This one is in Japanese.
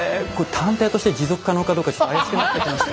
探偵として持続可能かどうかちょっと怪しくなってきました。